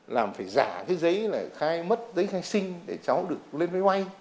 làm phải giả cái giấy là khai mất giấy khai sinh để cháu được lên với quay